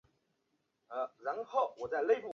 大多数课程也有大专文凭授予学生。